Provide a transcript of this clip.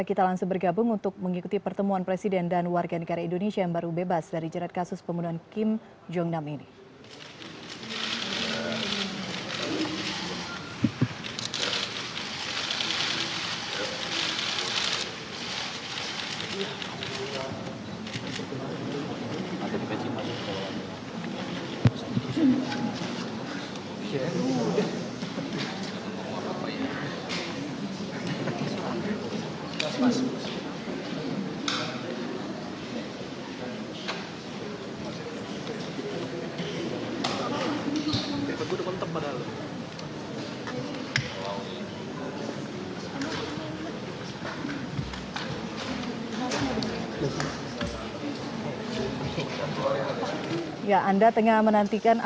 kita langsung bergabung untuk mengikuti pertemuan presiden dan warga negara indonesia yang baru bebas dari jerat kasus pembunuhan kim jong nam ini